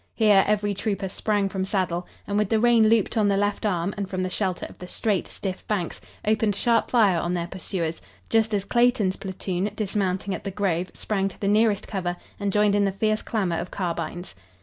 Here every trooper sprang from saddle, and with the rein looped on the left arm, and from the shelter of the straight, stiff banks, opened sharp fire on their pursuers, just as Clayton's platoon, dismounting at the grove, sprang to the nearest cover and joined in the fierce clamor of carbines.